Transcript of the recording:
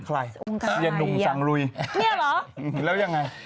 ใครเสียหนุ่มสังรุยแล้วยังไง